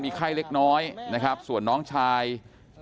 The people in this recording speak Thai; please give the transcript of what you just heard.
พี่สาวอายุ๗ขวบก็ดูแลน้องดีเหลือเกิน